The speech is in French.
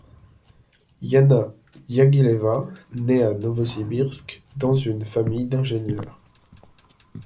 Iana Diaguileva nait à Novossibirskn dans une famille d'ingénieurs.